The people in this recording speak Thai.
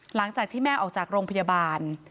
หลังจากที่แม่ออกจากโรงพยาบาล